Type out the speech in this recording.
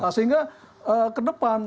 sehingga ke depan